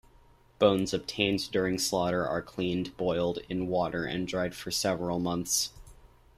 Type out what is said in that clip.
Bones obtained during slaughter are cleaned, boiled in water and dried for several months.